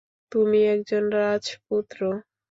তুমি একজন রাজপুত্র।